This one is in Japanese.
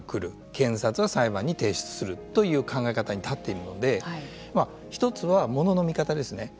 検察は裁判に提出するという考え方に立っているので１つは物の見方ですね。